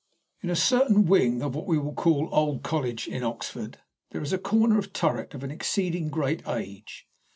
In a certain wing of what we will call Old College in Oxford there is a corner turret of an exceeding great age.